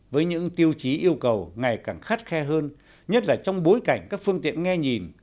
với những tiêu chí yêu cầu ngày càng khát khen